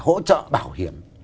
hỗ trợ bảo hiểm